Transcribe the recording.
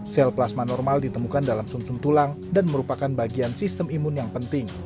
sel plasma normal ditemukan dalam sum sum tulang dan merupakan bagian sistem imun yang penting